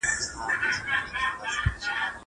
زه مخکي منډه وهلې وه.